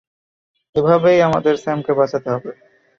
এভাবেই আমাদের স্যামকে বাঁচাতে হবে।